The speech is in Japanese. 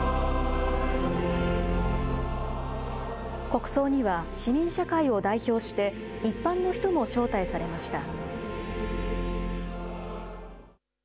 国葬には、市民社会を代表して、一般の人も招待されました。